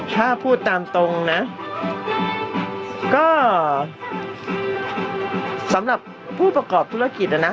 ถ้าพูดตามตรงนะก็สำหรับผู้ประกอบธุรกิจนะนะ